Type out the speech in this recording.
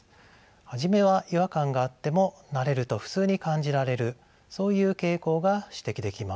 初めは違和感があっても慣れると普通に感じられるそういう傾向が指摘できます。